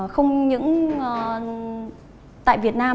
không những tại việt nam